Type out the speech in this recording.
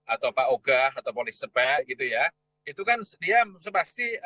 atau pak ogah atau polis sebak gitu ya itu kan dia sepasti